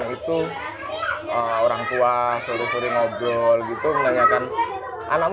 itu kalau sore sore nongkrong itu orang tua suruh suruh ngobrol gitu menanyakan anakmu